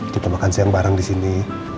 kita makan siang bareng di sini